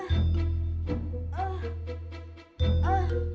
iya tadi kita dapet tadi cepet